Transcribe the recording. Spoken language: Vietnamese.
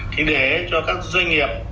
thì để cho các doanh nghiệp